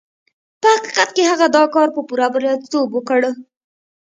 په حقيقت کې هغه دا کار په پوره برياليتوب وکړ.